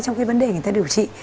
trong cái vấn đề người ta điều trị